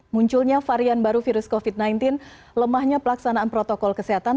munculnya varian baru virus covid sembilan belas lemahnya pelaksanaan protokol kesehatan